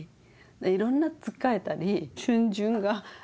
いろんなつっかえたり逡巡が。